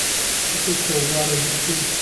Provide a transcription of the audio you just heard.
وەکوو کهوباڕی برسین